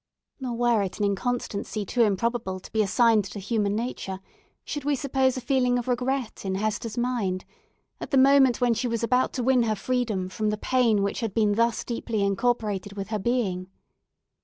Nor were it an inconsistency too improbable to be assigned to human nature, should we suppose a feeling of regret in Hester's mind, at the moment when she was about to win her freedom from the pain which had been thus deeply incorporated with her being.